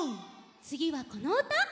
つぎはこのうた。